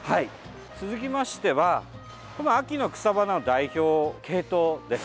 続きましては秋の草花の代表、ケイトウです。